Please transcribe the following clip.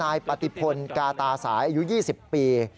นายปฏิพลกาตาสายอายุ๒๐ปี